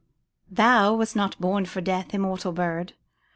Thou wast not born for death, immortal Bird